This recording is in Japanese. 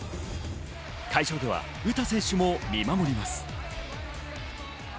会場では詩選手も見守ります。